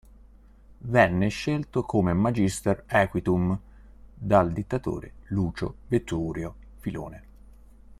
Venne scelto come "magister equitum" dal dittatore, Lucio Veturio Filone.